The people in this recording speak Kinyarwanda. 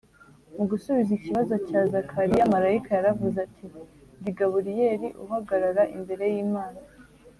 Mu gusubiza ikibazo cya Zakariya, marayika yaravuze ati, ‘‘Ndi Gaburiyeli uhagarara imbere y’Imana,